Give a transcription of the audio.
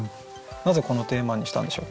なぜこのテーマにしたんでしょうか？